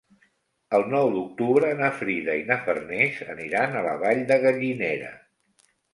El nou d'octubre na Frida i na Farners aniran a la Vall de Gallinera.